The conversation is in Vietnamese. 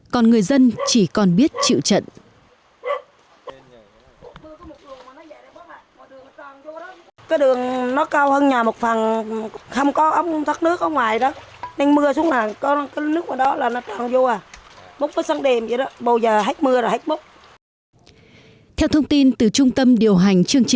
còn người dân chỉ còn biết chịu trận